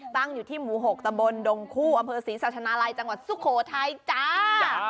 ตั้งอยู่ที่หมู่๖ตะบนดงคู่อำเภอศรีสัชนาลัยจังหวัดสุโขทัยจ้า